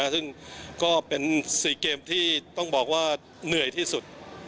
ซึ่งก็เป็น๔เกมที่ต้องบอกว่าเหนื่อยที่สุด